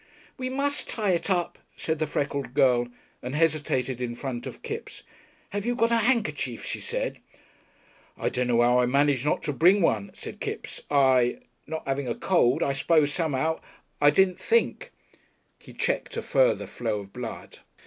"We must tie it up," said the freckled girl, and hesitated in front of Kipps. "Have you got a handkerchief?" she said. "I dunno 'ow I managed not to bring one," said Kipps. "I Not 'aving a cold I suppose some'ow I didn't think " He checked a further flow of blood.